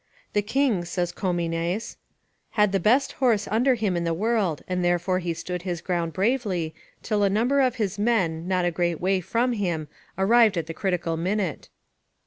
"The king," says Commines, "had the best horse under him in the world, and therefore he stood his ground bravely, till a number of his men, not a great way from him, arrived at the critical minute."